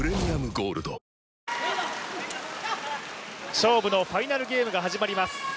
勝負のファイナルゲームが始まります。